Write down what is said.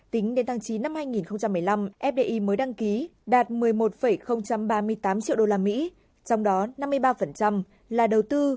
tính đến tháng chín năm hai nghìn một mươi năm fdi mới đăng ký đạt một mươi một ba mươi tám triệu usd trong đó năm mươi ba là đầu tư